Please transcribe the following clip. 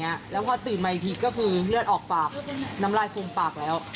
แล้วพอตื่นมาอีกทีก็คือเลือดออกปากน้ำลายฟูมปากแล้ว